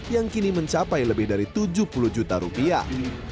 yang kini mencapai lebih dari tujuh puluh juta rupiah